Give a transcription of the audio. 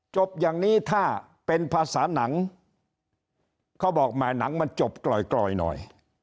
จบอย่างนี้ถ้าเป็นภาษาหนังเขาบอกแหมหนังมันจบกลอยหน่อย